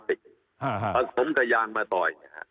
ผสมกระยานมาต่อย